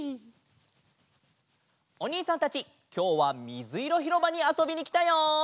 おにいさんたちきょうはみずいろひろばにあそびにきたよ！